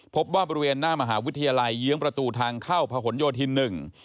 พบว่าบริเวณหน้ามหาวิทยาลัยเยื้องประตูทางเข้าพะหนโยธินหนึ่ง